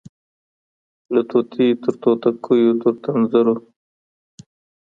له طوطي تر توتکیو تر تنزرو